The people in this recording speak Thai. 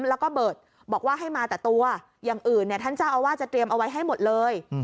แล้วก็เบิร์ตบอกว่าให้มาแต่ตัวอย่างอื่นท่านเจ้าอาวาสจะเตรียมเอาไว้ให้หมดเลย